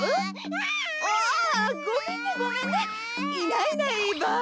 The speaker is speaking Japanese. いないいないばあ！